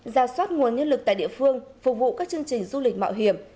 ra soát nguồn nhân lực tại địa phương phục vụ các chương trình du lịch mạo hiểm